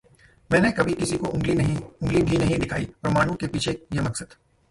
'मैंने कभी किसी को अंगुली भी नहीं दिखाई, परमाणु के पीछे ये मकसद'